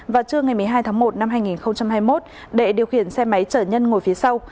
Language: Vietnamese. vào trưa ngày một mươi hai tháng một năm hai nghìn hai mươi một đệ điều khiển xe máy chở nhân ngồi phía sau